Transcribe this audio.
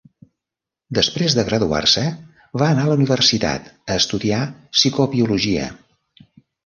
Després de graduar-se, va anar a la universitat a estudiar psicobiologia.